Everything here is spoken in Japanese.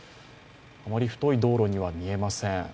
あまり太い道路には見えません。